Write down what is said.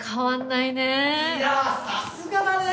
いやあさすがだねえ！